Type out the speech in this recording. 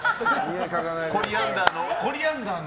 コリアンダーの。